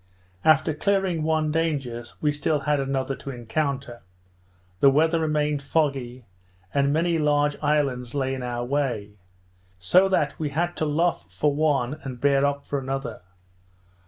After clearing one danger we still had another to encounter; the weather remained foggy, and many large islands lay in our way; so that we had to luff for one, and bear up for another.